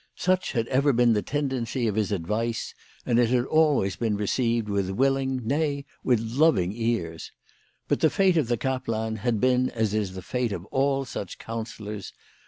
Such had ever been the tendency of his advice, and it had always been received with willing, nay, with loving ears. But the fate of the kaplan had been as is the fate of all such counsellors.